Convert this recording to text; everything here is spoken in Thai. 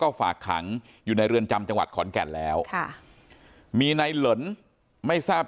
ก็ฝากขังอยู่ในเรือนจำจังหวัดขอนแก่นแล้วค่ะมีในเหลินไม่ทราบ